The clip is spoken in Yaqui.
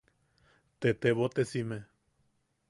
Tettebotesime.